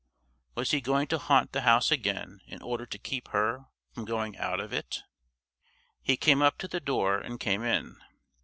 Was he going to haunt the house again in order to keep her from going out of it? He came up to the door and came in.